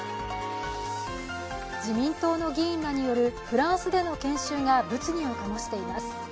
自民党の議員らによるフランスでの研修が物議を醸しています。